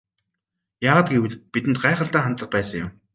Яагаад гэвэл бидэнд гайхалтай хандлага байсан юм.